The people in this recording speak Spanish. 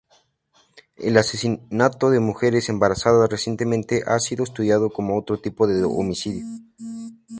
El asesinato de mujeres embarazadas recientemente ha sido estudiado como otro tipo de homicidio.